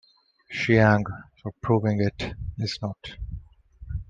Chiang for proving it is not.